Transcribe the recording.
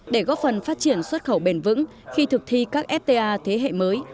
để góp phần phát triển xuất khẩu bền vững khi thực thi các fta thế hệ mới